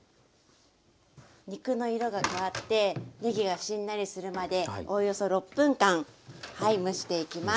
肉の色が変わってねぎがしんなりするまでおおよそ６分間はい蒸していきます。